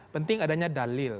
penting adanya dalil